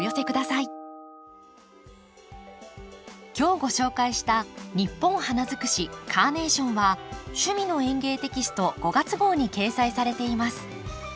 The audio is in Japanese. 今日ご紹介した「ニッポン花づくしカーネーション」は「趣味の園芸」テキスト５月号に掲載されています。